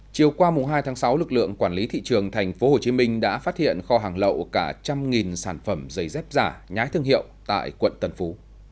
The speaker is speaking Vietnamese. chiều qua hai tháng sáu lực lượng quản lý thị trường tp hcm đã phát hiện kho hàng lậu cả một trăm linh sản phẩm giày dép giả nhái thương hiệu tại quận tân phú